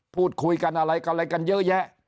พูดคุยกันอะไรก็อะไรกันเยอะแยะ